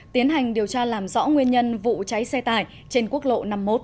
tiến hành điều tra làm rõ nguyên nhân vụ cháy xe tải trên quốc lộ năm mươi một